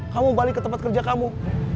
kamu balik ke tempat kerja kamu